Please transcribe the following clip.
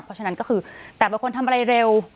เพราะฉะนั้นก็คือแต่เป็นคนทำอะไรเร็ว